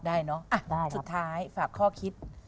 ได้เนอะสุดท้ายฝากข้อคิด